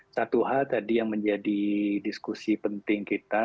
satu hal tadi yang menjadi diskusi penting kita